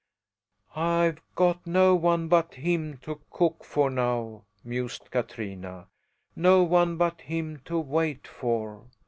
"I've got no one but him to cook for now!" mused Katrina, "no one but him to wait for!